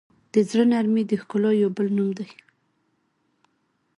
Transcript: د زړه نرمي د ښکلا یو بل نوم دی.